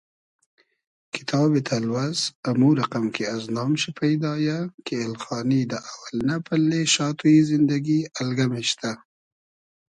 کیتابی تئلوئس امو رئقئم کی از نام شی پݷدا یۂ کی ایلخانی دۂ اۆئلنۂ پئلې شاتوی زیندئگی الگئم اېشتۂ